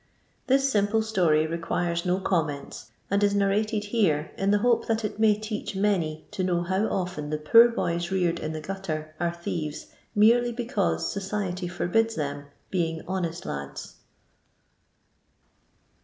This simple story requires no comments, and is narrated here in the hope that it may teach many to know how often the poor boys reared in the gutter are thieres, merely because society forbids them being honest lads.